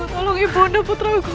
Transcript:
tolong ibu anda putraku